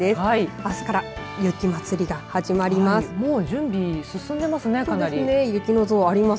あすから雪祭りが始まります。